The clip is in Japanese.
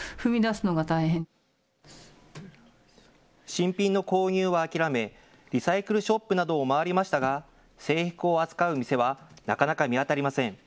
新品の購入は諦め、リサイクルショップなどを回りましたが制服を扱う店はなかなか見当たりません。